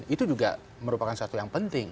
itu juga merupakan satu yang penting